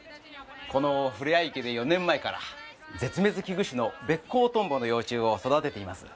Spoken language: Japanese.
このふれあい池で４年前から絶滅危惧種のベッコウトンボの幼虫を育てています。